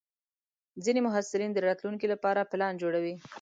ځینې محصلین د راتلونکي لپاره پلان جوړوي.